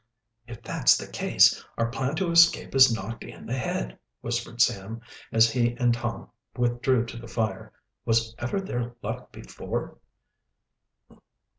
"If that's the case, our plan to escape is knocked in the head," whispered Sam, as he and Tom withdrew to the fire. "Was ever there luck before!"